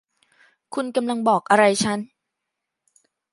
คุณกำลังบอกอะไรฉัน